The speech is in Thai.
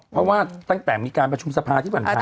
เพราะว่าตั้งแต่มีการประชุมสภาที่ผ่านมา